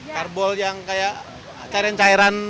karbol yang kayak cairan cairan